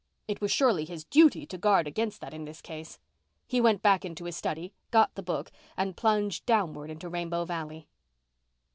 It was surely his duty to guard against that in this case. He went back into his study, got the book, and plunged downward into Rainbow Valley.